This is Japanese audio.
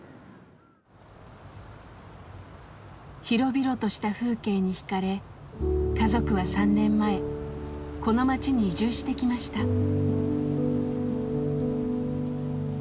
広々とした風景に惹かれ家族は３年前この町に移住してきました。